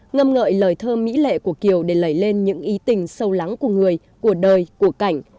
ngâm ngợi lời thơ mỹ lệ của kiều để lầy lên những ý tình sâu lắng của người của đời của cảnh